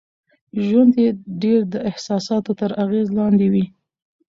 ژوند يې ډېر د احساساتو تر اغېز لاندې وي.